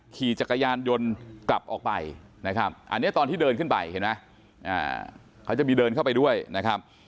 ขี่จักรยานยนต์กลับออกไปนะครับอันนี้ตอนที่เดินขึ้นไปเห็นไหมเขาจะมีเดินเข้าไปด้วยนะครับ